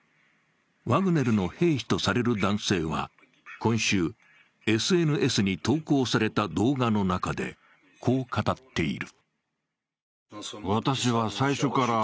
ワグネルの兵士とされる男性は今週、ＳＮＳに投稿された動画の中でこう語っている。